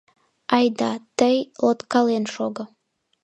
— Айда, тый лоткален шого.